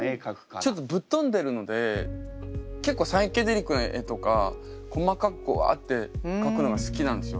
ちょっとぶっ飛んでるので結構サイケデリックな絵とか細かくわって描くのが好きなんですよ。